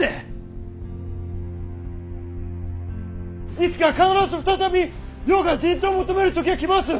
いつか必ず再び世が人痘を求める時が来ます。